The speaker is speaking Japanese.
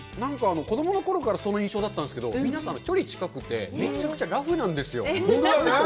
子供のころからその印象だったんですけど、皆さんの距離が近くて、めちゃくちゃラフなんですよ。